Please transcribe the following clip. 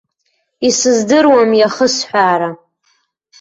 Исыздыруам иахысҳәаара.